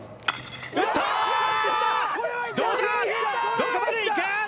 どこまでいく？